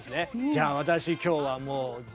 じゃあ私今日はもうよっ！